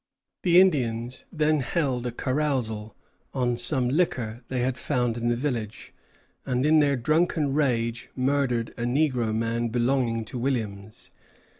The Indians then held a carousal on some liquor they had found in the village, and in their drunken rage murdered a negro man belonging to Williams.